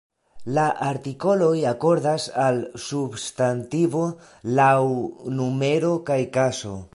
La artikoloj akordas al substantivo laŭ numero kaj kazo.